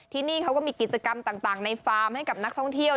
ที่นี่เขาก็มีกิจกรรมต่างในฟาร์มให้กับนักท่องเที่ยว